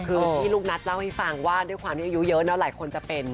คือพี่ลูกนัทเล่าให้ฟังว่าด้วยความที่อายุเยอะแล้วหลายคนจะเป็น